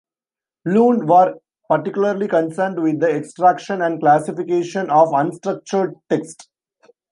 Luhn were particularly concerned with the extraction and classification of unstructured text.